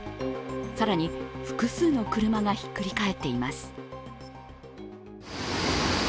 更に、複数の車がひっくり返っています。